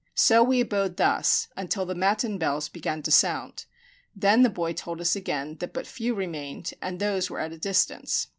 So we abode thus until the matin bells began to sound. Then the boy told us again that but few remained, and those were at a distance.